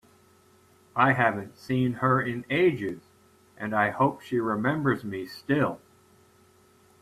I haven’t seen her in ages, and I hope she remembers me still!